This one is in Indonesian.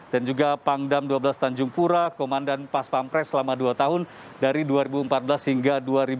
dan juga pangdam dua belas tanjung pura komandan paspampres selama dua tahun dari dua ribu empat belas hingga dua ribu enam belas